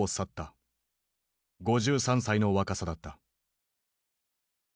５３歳の若さだった。